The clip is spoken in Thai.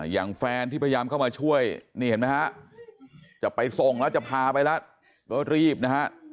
อย่างแฟนที่พยายามเข้ามาช่วยนี่เห็นไหมฮะจะไปส่งแล้วจะพาไปแล้วก็รีบนะฮะ